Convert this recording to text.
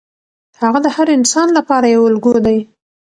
هغه د هر انسان لپاره یو الګو دی.